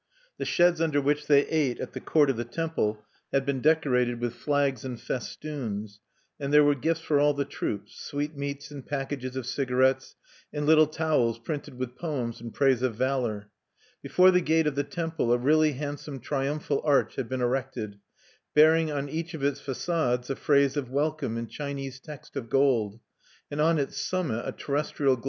The sheds under which they ate in the court of the temple had been decorated with flags and festoons; and there were gifts for all the troops, sweetmeats, and packages of cigarettes, and little towels printed with poems in praise of valor. Before the gate of the temple a really handsome triumphal arch had been erected, bearing on each of its facades a phrase of welcome in Chinese text of gold, and on its summit a terrestrial globe surmounted by a hawk with outspread pinions(2).